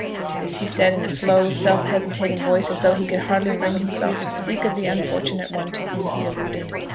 This he said in a slow, half hesitating voice, as though he could hardly bring himself to speak of the unfortunate one to whom he alluded.